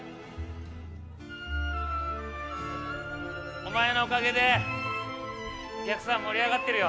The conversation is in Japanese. お前のおかげでお客さん盛り上がってるよ。